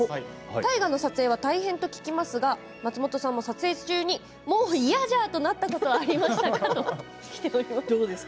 大河の撮影は大変と聞きますが松本さんも撮影中にもう嫌じゃあとなったことはありましたか？